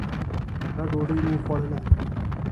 ښه ډوډۍ مو وخوړله.